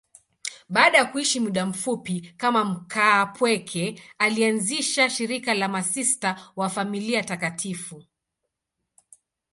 Baada ya kuishi muda mfupi kama mkaapweke, alianzisha shirika la Masista wa Familia Takatifu.